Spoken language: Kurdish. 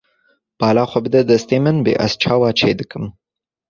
Bala xwe bide destê min bê ez çawa çêdikim.